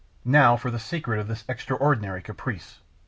Now for the secret of this extraordinary caprice.